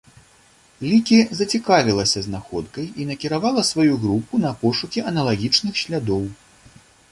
Лікі зацікавілася знаходкай і накіравала сваю групу на пошукі аналагічных слядоў.